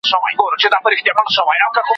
د اوسېدلو لپاره یوه لوېشت ځای درلود